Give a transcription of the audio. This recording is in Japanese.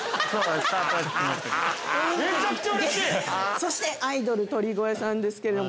そしてアイドル鳥越さんですけれども。